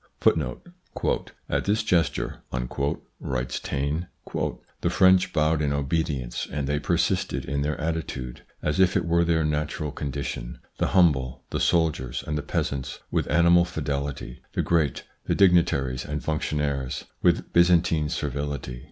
1 1 "At his first gesture," writes Taine, "the French bowed in obedience, and they persisted in their attitude, as if it were their natural condition ; the humble, the soldiers, and the peasants, with animal fidelity ; the great, the dignitaries and functionaries, with Byzantine servility.